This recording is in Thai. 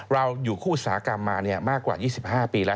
มีผู้อุตสาหกรรมมามากกว่า๒๕ปีแล้ว